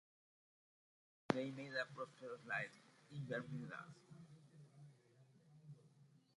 They made a prosperous life in Bermuda.